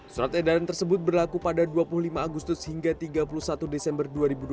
surat edaran tersebut berlaku pada dua puluh lima agustus hingga tiga puluh satu desember dua ribu dua puluh